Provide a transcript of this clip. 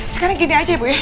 sekarang gini aja ya ibu ya